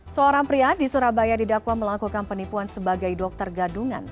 seorang pria di surabaya didakwa melakukan penipuan sebagai dokter gadungan